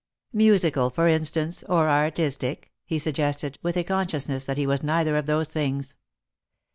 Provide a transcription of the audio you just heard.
" Musical, for instance, or artistic H " he suggested, with a consciousness that he was neither of those things.